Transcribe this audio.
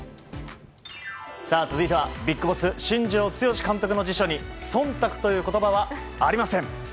続いては、ビッグボス新庄剛志監督の辞書に忖度という言葉はありません！